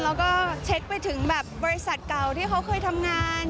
แล้วก็เช็คไปถึงแบบบริษัทเก่าที่เขาเคยทำงาน